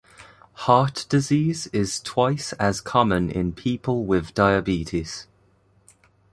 Heart disease is twice as common in people with diabetes.